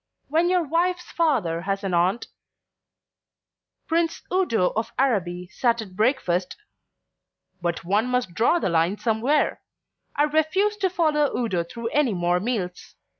When your wife's father has an aunt Prince Udo of Araby sat at breakfast But one must draw the line somewhere. I refuse to follow Udo through any more meals.